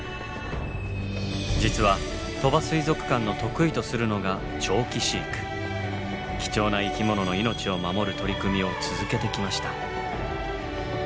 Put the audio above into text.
実は鳥羽水族館の得意とするのが貴重な生き物の命を守る取り組みを続けてきました。